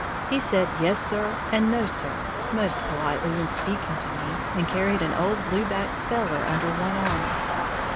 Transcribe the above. He said "Yes sir" and "No sir" most politely when speaking to me, and carried an old blue back speller under one arm.